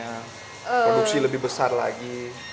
produksi lebih besar lagi